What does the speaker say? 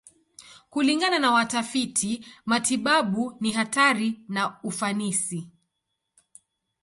Kulingana na watafiti matibabu, ni hatari na ufanisi.